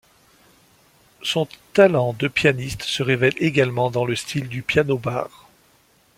Son talent de pianiste se révèle également dans le style du piano-bar.